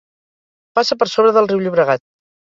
Passa per sobre del riu Llobregat.